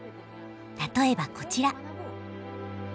例えばこちら。